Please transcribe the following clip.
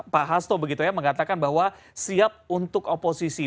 pak hasto begitu ya mengatakan bahwa siap untuk oposisi